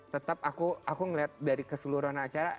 tetap aku ngeliat dari keseluruhan acara